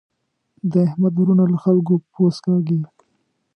د احمد وروڼه له خلګو پوست کاږي.